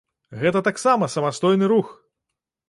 Гэта таксама самастойны рух!